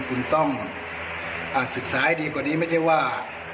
คุณต้องศึกษาให้ดีกว่านี้ไม่ใช่ว่า